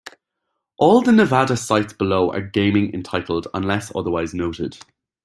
All the Nevada sites below are gaming-entitled, unless otherwise noted.